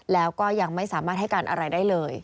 แล้วก็ยังไม่สามารถให้การอะไรได้เลย